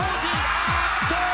あーっと！